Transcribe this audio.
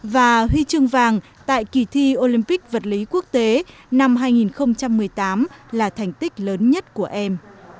và huy chương vàng tại kỳ thi olympic vật lý quốc tế năm hai nghìn một mươi tám là thành tích lớn nhất của em